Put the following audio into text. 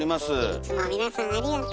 いつも皆さんありがとう。